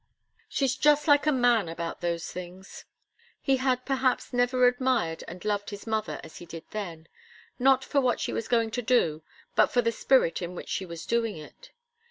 "She's just like a man about those things." He had perhaps never admired and loved his mother as he did then; not for what she was going to do, but for the spirit in which she was doing it.